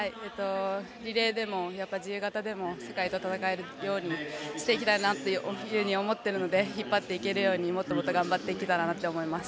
リレーでも自由形でも世界と戦えるようにしていきたいと思っているので引っ張っていけるようにもっともっと頑張っていけたらなと思っています。